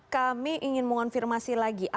kami ingin mengonfirmasi lagi